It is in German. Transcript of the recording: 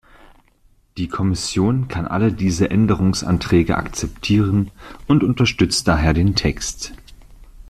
Die Kommission kann alle diese Änderungsanträge akzeptieren und unterstützt daher den Text.